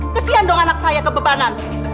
kesian dong anak saya kebebanan